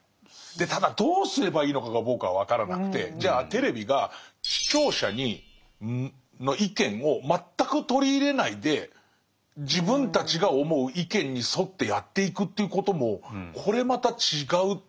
でただどうすればいいのかが僕は分からなくてじゃあテレビが視聴者の意見を全く取り入れないで自分たちが思う意見に沿ってやっていくということもこれまた違うでしょ？